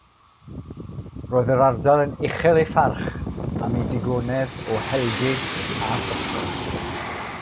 Roedd yr ardal yn uchel ei pharch am ei digonedd o helgig a physgod.